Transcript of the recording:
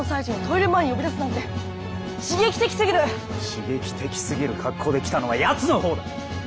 刺激的すぎる格好で来たのはやつのほうだ！